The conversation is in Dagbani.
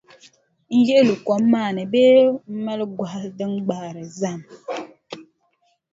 N-yiɣiri luri kom maa ni bee m-mali gɔhi n-gbahiri zahim.